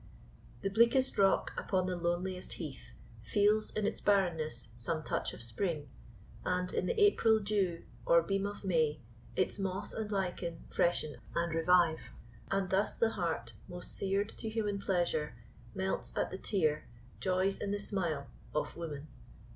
The bleakest rock upon the loneliest heath Feels, in its barrenness, some touch of spring; And, in the April dew, or beam of May, Its moss and lichen freshen and revive; And thus the heart, most sear'd to human pleasure, Melts at the tear, joys in the smile, of woman.